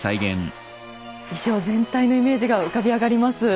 衣装全体のイメージが浮かび上がります。